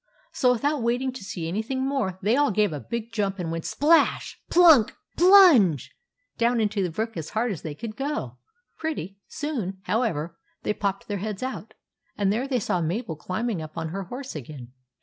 So, without waiting to see any thing more, they all gave a big jump and went splash ! plunk ! plunge ! down into the brook as hard as ever they could go. Pretty 34 THE ADVENTURES OF MABEL soon, however, they popped their heads out, and there they saw Mabel climbing up on her horse again.